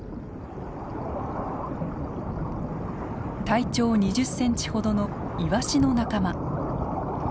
体長２０センチほどのイワシの仲間。